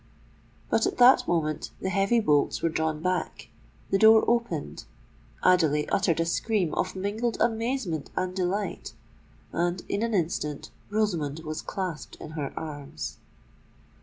But at that moment the heavy bolts were drawn back—the door opened—Adelais uttered a scream of mingled amazement and delight—and in an instant Rosamond was clasped in her arms.